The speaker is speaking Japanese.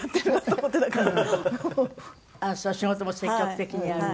仕事も積極的にやる。